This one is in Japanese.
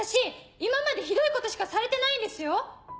今までひどいことしかされてないんですよ。